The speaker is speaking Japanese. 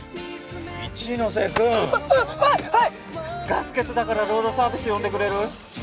ガス欠だからロードサービス呼んでくれる？